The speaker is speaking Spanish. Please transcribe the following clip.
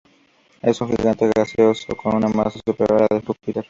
Es un Gigante gaseoso, con una masa superior a la de Júpiter.